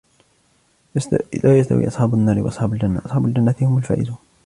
لَا يَسْتَوِي أَصْحَابُ النَّارِ وَأَصْحَابُ الْجَنَّةِ أَصْحَابُ الْجَنَّةِ هُمُ الْفَائِزُونَ